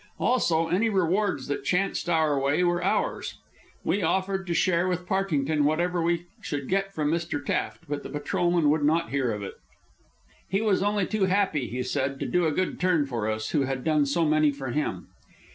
Also, any rewards that chanced our way were ours. We offered to share with Partington whatever we should get from Mr. Taft, but the patrolman would not hear of it. He was only too happy, he said, to do a good turn for us, who had done so many for him.